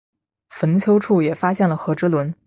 坟丘处也发现了和埴轮。